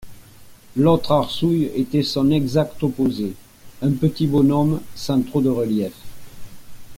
L’autre arsouille était son exact opposé: un petit bonhomme sans trop de relief